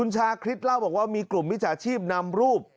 ชาคริสเล่าบอกว่ามีกลุ่มมิจฉาชีพนำรูป